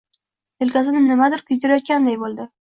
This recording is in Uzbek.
Yelkasini nimadir kuydirayotganday bo’ldi.